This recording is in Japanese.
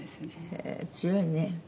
「へえー強いね」